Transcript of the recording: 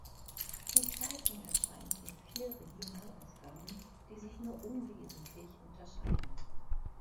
Die Zeitung erscheint in vier Regionalausgaben, die sich nur unwesentlich unterscheiden.